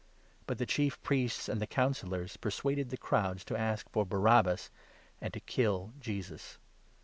But the Chief Priests and the Councillors persuaded the crowds to ask for Barabbas, and to kill Jesus.